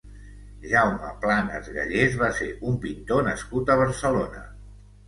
Jaume Planas Gallés va ser un pintor nascut a Barcelona.